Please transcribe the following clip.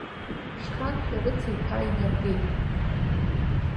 Шьхан-шәарыца иԥа инаркит.